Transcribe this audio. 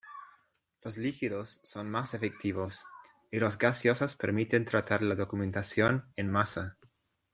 Los líquidos son más efectivos, y los gaseosos permiten tratar la documentación en masa.